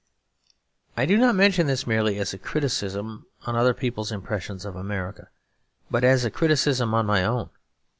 I do not mention this merely as a criticism on other people's impressions of America, but as a criticism on my own.